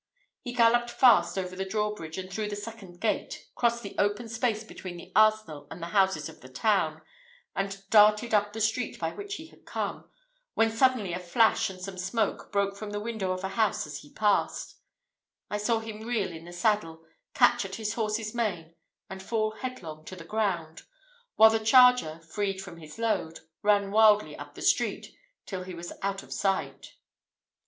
He galloped fast over the drawbridge, and through the second gate, crossed the open space between the arsenal and the houses of the town, and darted up the street by which he had come, when suddenly a flash and some smoke broke from the window of a house as he passed; I saw him reel in the saddle, catch at his horse's mane, and fall headlong to the ground; while the charger, freed from his load, ran wildly up the street, till he was out of sight.